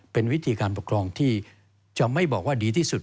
เป็นวิธีการปกครองที่จะไม่บอกว่าดีที่สุด